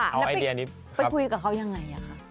ไปคุยกับเขายังไง